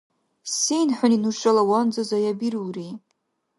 Сен хӀуни нушала ванза заябирулри?